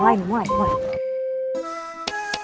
mulai mulai mulai